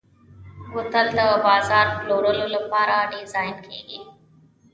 بوتل د بازار پلورلو لپاره ډیزاین کېږي.